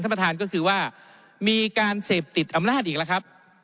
ประธานก็คือว่ามีการเสพติดอำนาจอีกแล้วครับ